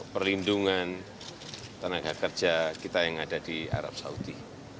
perlindungan tenaga kerja kita yang ada di arab saudi